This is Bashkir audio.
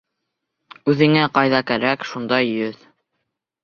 Үҙеңә ҡайҙа кәрәк, шунда йөҙ.